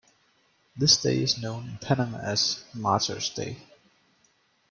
This day is known in Panama as Martyrs' Day.